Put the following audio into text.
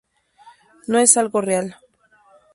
No es algo real.